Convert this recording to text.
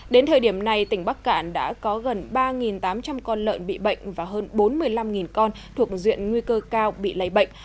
đến thời điểm này tỉnh bắc cạn đã có gần ba tám trăm linh con lợn bị bệnh và hơn bốn mươi năm con thuộc duyện nguy cơ cao bị lây bệnh